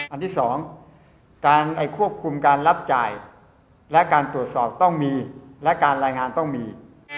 อันที่๒การควบคุมการรับจ่ายและการตรวจสอบต้องมีและการรายงานต้องมี